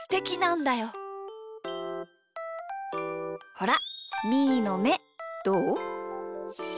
ほらみーのめどう？